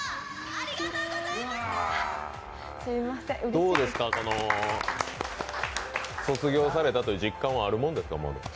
どうですか、卒業されたという実感はあるものですか？